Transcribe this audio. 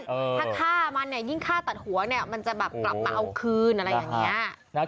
ถ้าฆ่ามันเนี่ยยิ่งฆ่าตัดหัวเนี่ยมันจะแบบกลับมาเอาคืนอะไรอย่างนี้